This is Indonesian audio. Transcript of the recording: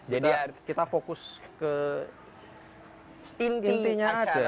jadi kita fokus ke intinya aja